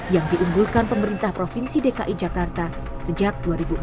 yang diunggulkan pemerintah provinsi dki jakarta sejak dua ribu empat